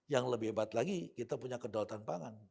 yang lebih hebat lagi kita punya kedaulatan pangan